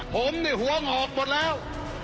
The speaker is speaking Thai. ผมนี่หัวงอกหมดแล้ว